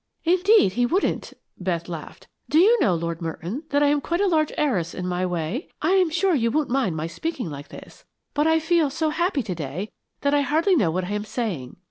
"Indeed, he wouldn't," Beth laughed. "Do you know, Lord Merton, that I am quite a large heiress in my way. I am sure you won't mind my speaking like this, but I feel so happy to day that I hardly know what I am saying.